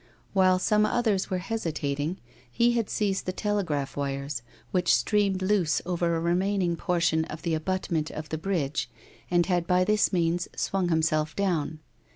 While some others were hesitating, he had seized the telegraph wires which streamed loose over a remaining portion of the abutment of the bridge and had by this means swung him self down.